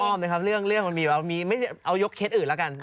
เอาอ้อมเลยครับเรื่องมันมีเอายกเคสอื่นแล้วกัน